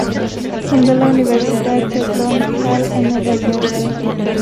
Fundó la Universidad Seton Hall en Nueva Jersey.